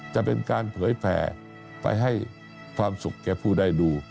จะเป็นการเผยแผ่ไปให้ความสุขแก่ผู้ได้ดู